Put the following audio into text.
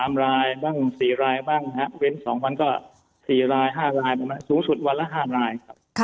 เว้น๒วันก็๔ราย๕รายประมาณนั้นสูงสุดวันละ๕รายครับ